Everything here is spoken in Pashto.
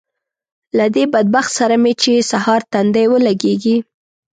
له دې بدبخت سره مې چې سهار تندی ولګېږي